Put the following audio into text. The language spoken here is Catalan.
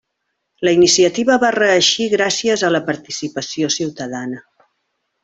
La iniciativa va reeixir gràcies a la participació ciutadana.